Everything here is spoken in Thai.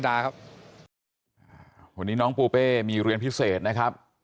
วันนี้น้องปูเป้มีเรียนพิเศษนะครับ